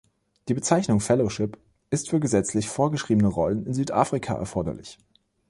Die Bezeichnung „Fellowship“ ist für gesetzlich vorgeschriebene Rollen in Südafrika erforderlich.